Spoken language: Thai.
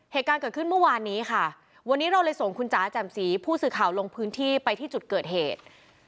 เหตุการณ์เกิดขึ้นเมื่อวานนี้ค่ะวันนี้เราเลยส่งคุณจ๋าแจ่มสีผู้สื่อข่าวลงพื้นที่ไปที่จุดเกิดเหตุ